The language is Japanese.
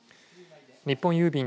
日本郵便